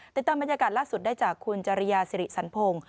ติดตามบรรยากาศล่าสุดได้จากคุณจริยาสิริสันพงศ์